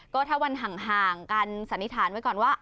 ก็ถ้าวันห่างกันสันนิษฐานไว้ก่อนว่า